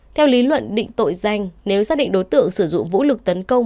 theo lý luận định tội danh nếu xác định đối tượng sử dụng vũ lực tấn công